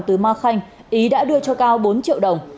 từ ma khanh ý đã đưa cho cao bốn triệu đồng